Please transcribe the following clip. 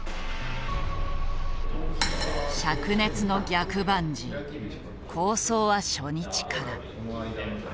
灼熱の逆バンジー構想は初日から。